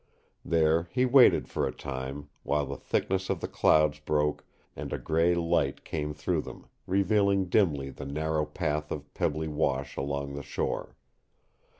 Here he waited for a time, while the thickness of the clouds broke, and a gray light came through them, revealing dimly the narrow path of pebbly wash along the shore.